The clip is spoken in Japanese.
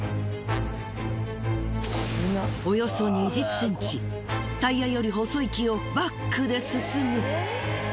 およそ２０ｃｍタイヤより細い木をバックで進む。